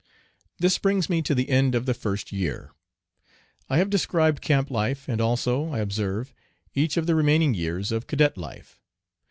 This brings me to the end of the first year. I have described camp life, and also, I observe, each of the remaining years of cadet life.